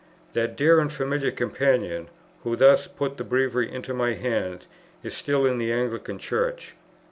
That dear and familiar companion, who thus put the Breviary into my hands, is still in the Anglican Church.